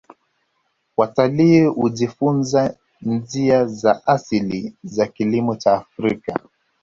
Watalii hujifunza njia za asili za kilimo cha kiafrika